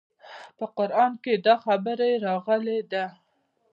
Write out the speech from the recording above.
په قران کښې دا خبره راغلې ده.